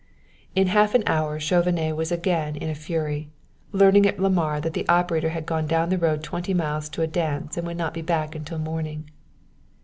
In half an hour Chauvenet was again in a fury, learning at Lamar that the operator had gone down the road twenty miles to a dance and would not be back until morning.